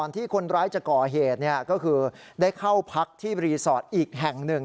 ที่คนร้ายจะก่อเหตุก็คือได้เข้าพักที่รีสอร์ทอีกแห่งหนึ่ง